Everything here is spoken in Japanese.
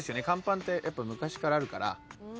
カンパンって昔からあるから。